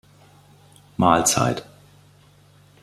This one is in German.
Mahlzeit